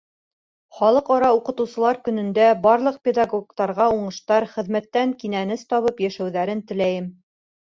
Халыҡ-ара уҡытыусылар көнөндә барлыҡ педагогтарға уңыштар, хеҙмәттән кинәнес табып йәшәүҙәрен теләйем.